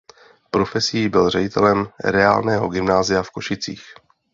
Profesí byl ředitelem reálného gymnázia v Košicích.